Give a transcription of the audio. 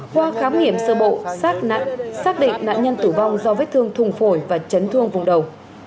qua khám nghiệm sơ bộ xác định nạn nhân tử vong do vết thương thùng phổi và chấn thương vùng đầu